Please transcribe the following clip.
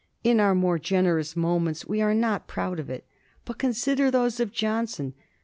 In our more generous moments we are not proud of it. But consider those of Johnson!